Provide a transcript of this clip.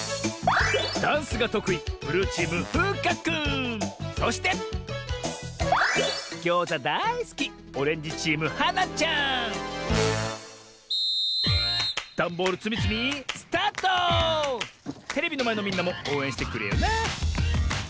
ダンスがとくいそしてギョーザだいすきダンボールつみつみテレビのまえのみんなもおうえんしてくれよな！